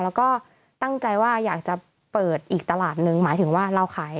แล้วก็ตั้งใจว่าอยากจะเปิดอีกตลาดหนึ่งหมายถึงว่าเราขาย